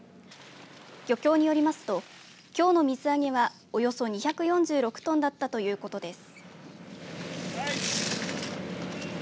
漁協によりますときょうの水揚げは、およそ２４６トンだったということです。